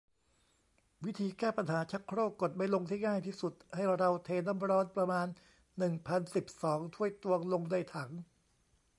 วิธีแก้ปัญหาชักโครกกดไม่ลงที่ง่ายที่สุด ให้เราเทน้ำร้อนประมาณ หนึ่งพันสิบสอง ถ้วยตวง ลงในถัง